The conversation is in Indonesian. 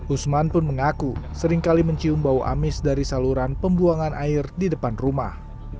usman pun mengaku seringkali mencium bau amis dari saluran pembuangan air di depan rumah